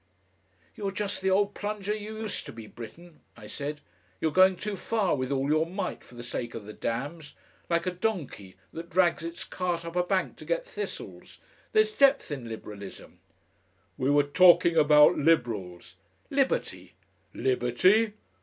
"You're just the old plunger you used to be, Britten," I said. "You're going too far with all your might for the sake of the damns. Like a donkey that drags its cart up a bank to get thistles. There's depths in Liberalism " "We were talking about Liberals." "Liberty!" "Liberty!